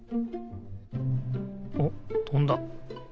おっとんだ。